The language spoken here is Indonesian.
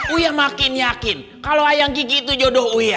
uya makin yakin kalau ayang kiki itu jodoh uya